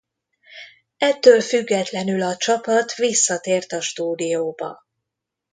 Ettől függetlenül a csapat visszatért a stúdióba.